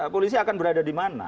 polisi akan berada di mana